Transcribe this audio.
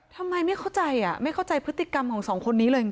ทำไมไม่เข้าใจอ่ะไม่เข้าใจพฤติกรรมของสองคนนี้เลยจริง